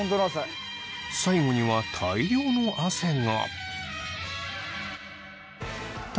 最後には大量の汗が。